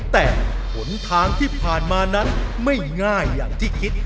แต่หนทางที่ผ่านมานั้นไม่ง่ายอย่างที่คิด